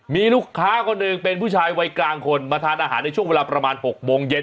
มีลูกค้าคนหนึ่งเป็นผู้ชายวัยกลางคนมาทานอาหารในช่วงเวลาประมาณ๖โมงเย็น